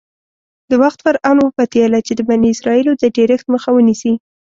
د وخت فرعون وپتېیله چې د بني اسرایلو د ډېرښت مخه ونیسي.